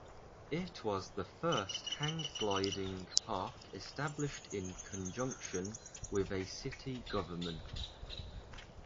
It was the first hang gliding park established in conjunction with a city government.